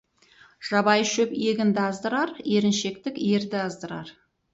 Жабайы шөп егінді аздырар, еріншектік ерді аздырар.